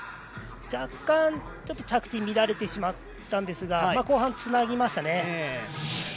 若干、着地乱れてしまったんですが後半、つなぎましたね。